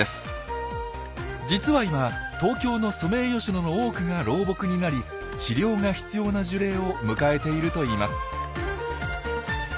実は今東京のソメイヨシノの多くが老木になり治療が必要な樹齢を迎えているといいます。